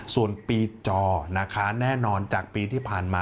ส่วนปีจอนะคะแน่นอนจากปีที่ผ่านมา